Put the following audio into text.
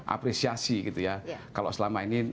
apresiasi kalau selama ini